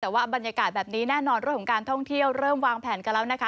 แต่ว่าบรรยากาศแบบนี้แน่นอนเรื่องของการท่องเที่ยวเริ่มวางแผนกันแล้วนะคะ